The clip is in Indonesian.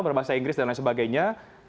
berbahasa inggris dan lain sebagainya